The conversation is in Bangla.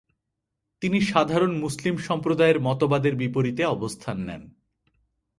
তিনি সাধারণ মুসলিম সম্প্রদায়ের মতবাদের বিপরীতে অবস্থান নেন।